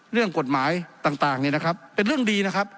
เรื่องกฎหมายต่างเนี่ยนะครับเป็นเรื่องดีนะครับ